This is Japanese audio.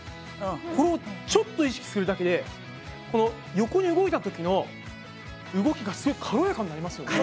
これをちょっと意識するだけで横に動いたときの動きがすごい軽やかになりますよね。